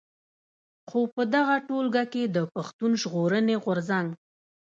خو په دغه ټولګه کې د پښتون ژغورني غورځنګ.